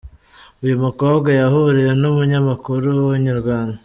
Uyu mukobwa yahuriye n’umunyamakuru wa Inyarwanda.